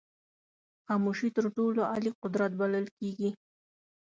خاموشي تر ټولو عالي قدرت بلل کېږي.